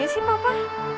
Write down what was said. ya sih papa